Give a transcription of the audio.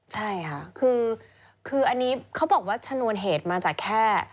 ใช่ครับคืออย่างนี้เธอบอกว่าฉนวนเหตุมาจากแค่